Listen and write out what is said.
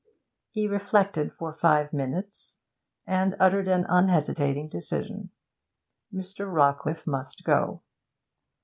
He reflected for five minutes, and uttered an unhesitating decision. Mr. Rawcliffe must go.